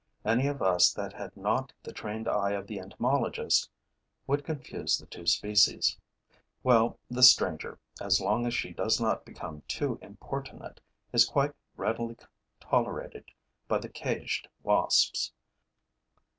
Any of us that had not the trained eye of the entomologist would confuse the two species. Well, this stranger, as long as she does not become too importunate, is quite readily tolerated by the caged wasps.